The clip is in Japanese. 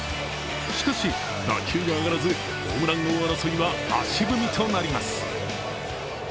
しかし、打球が上がらず、ホームラン王争いは足踏みとなります。